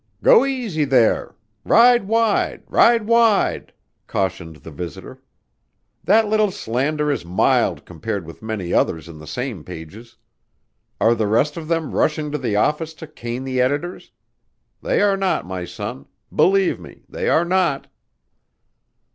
"Go easy there. Ride wide! Ride wide!" cautioned the visitor. "That little slander is mild compared with many others in the same pages. Are the rest of them rushing to the office to cane the editors? They are not, my son. Believe me, they are not."